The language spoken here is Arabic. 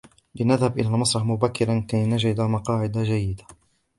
لنذهب إلى المسرح مبكرا كي نجد مقاعدا جيدة.